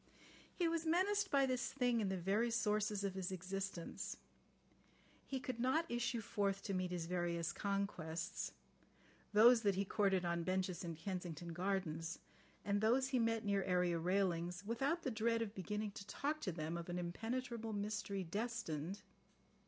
He was menaced by this thing in the very sources of his existence. He could not issue forth to meet his various conquests, those that he courted on benches in Kensington Gardens, and those he met near area railings, without the dread of beginning to talk to them of an impenetrable mystery destined.